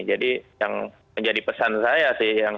jadi yang menjadi pesan saya sih